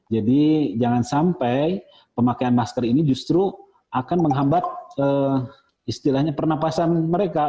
jadi jangan sampai pemakaian masker ini justru akan menghambat istilahnya pernapasan mereka